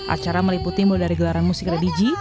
acara meliputi mulai dari gelaran musik religi